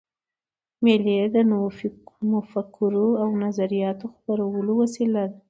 مېلې د نوو مفکورو او نظریاتو خپرولو وسیله ده.